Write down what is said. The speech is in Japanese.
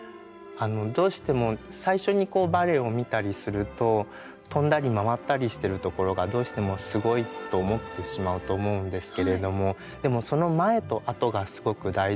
どうしても最初にこうバレエを見たりすると跳んだり回ったりしてるところがどうしてもすごいと思ってしまうと思うんですけれどもでもその前と後がすごく大事なんですね。